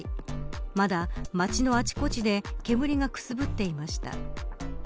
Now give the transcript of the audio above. まだ町のあちこちで煙がくすぶっていました。